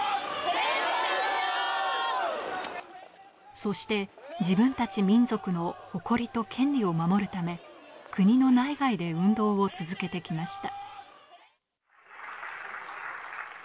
そして自分たち民族の誇りと権利を守るため国の内外で運動を続けてきました。